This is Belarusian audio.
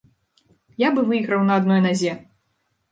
Я бы выйграў на адной назе.